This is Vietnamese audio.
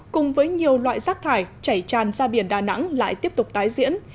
cùng với nhiều loại rác thải chảy tràn ra biển đà nẵng lại tiếp tục tái diễn